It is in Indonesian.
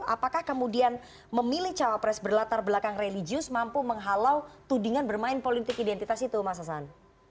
apakah kemudian memilih cawapres berlatar belakang religius mampu menghalau tudingan bermain politik identitas itu mas hasan